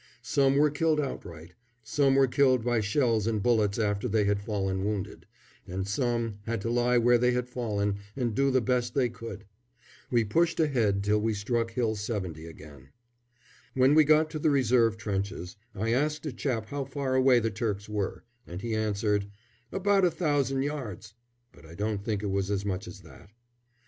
Some were killed outright; some were killed by shells and bullets after they had fallen wounded, and some had to lie where they had fallen and do the best they could. We pushed ahead till we struck Hill 70 again. When we got to the reserve trenches I asked a chap how far away the Turks were, and he answered, "About a thousand yards," but I don't think it was as much as that.